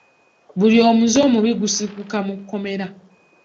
Buli omuze omubi gusibuka mu kkomera.